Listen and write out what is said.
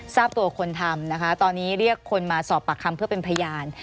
ทราบตัวคนทำนะคะตอนนี้เรียกคนมาสอบปากคำเพื่อเป็นพยาน